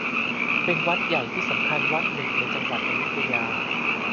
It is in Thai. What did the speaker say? เป็นวัดใหญ่ที่สำคัญวัดหนึ่งในจังหวัดอยุธยา